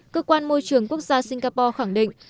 cơ quan môi trường quốc gia singapore khẳng định